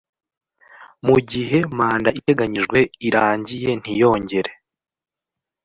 mu gihe manda iteganyijwe irangiye ntiyongere